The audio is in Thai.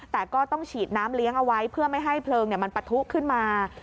แต่ก็ต้องฉีดน้ำเลี้ยงเอาไว้เพื่อไม่ให้เพลิงมันปะทุขึ้นมา